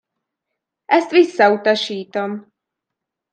Ezt visszautasítom!